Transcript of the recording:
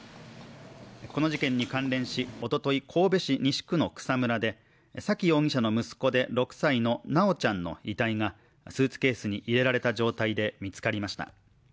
この事件に関連し、おととい、沙喜容疑者の息子で６歳の修ちゃんの遺体がスーツケースに入れられた状態で見つかりました。